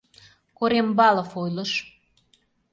Корембалов ойлыш.